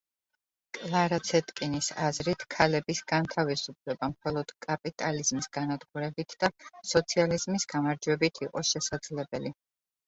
კლარა ცეტკინის აზრით ქალების განთავისუფლება მხოლოდ კაპიტალიზმის განადგურებით და სოციალიზმის გამარჯვებით იყო შესაძლებელი.